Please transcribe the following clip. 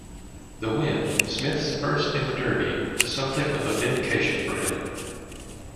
The win, Smith's first in the Derby, was something of a vindication for him.